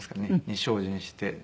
に精進して。